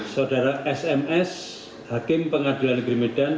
saudara sms hakim pengadilan negeri medan